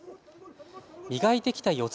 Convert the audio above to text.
磨いてきた四つ